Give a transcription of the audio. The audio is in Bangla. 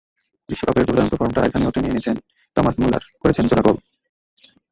বিশ্বকাপের দুর্দান্ত ফর্মটা এখানেও টেনে এনেছেন টমাস মুলার, করেছেন জোড়া গোল।